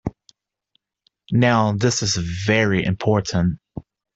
Now this is very important.